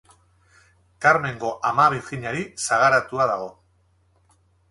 Karmengo Ama Birjinari sagaratua dago.